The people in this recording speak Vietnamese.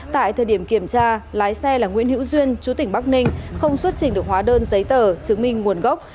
tại thời điểm kiểm tra lái xe là nguyễn hữu duyên chú tỉnh bắc ninh không xuất trình được hóa đơn giấy tờ chứng minh nguồn gốc